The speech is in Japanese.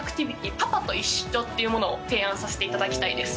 パパと一緒っていうものを提案させていただきたいです。